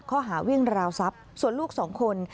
ข้อหาวิ่งราวทรัพย์ส่วนลูกสองคน